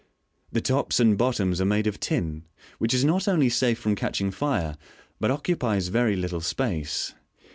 The tops and bottoms are made of tin, which is not only safe from catching fire, but occupies very little space.